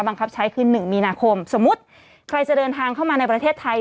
บังคับใช้คือ๑มีนาคมสมมุติใครจะเดินทางเข้ามาในประเทศไทย